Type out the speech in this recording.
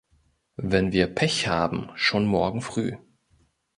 Wenn wir Pech haben, schon morgen früh.